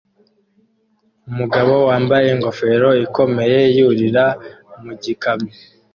Umugabo wambaye ingofero ikomeye yurira mu gikamyo